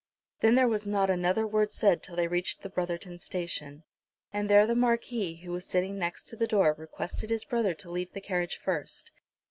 Then there was not another word said till they reached the Brotherton Station, and there the Marquis, who was sitting next the door, requested his brother to leave the carriage first.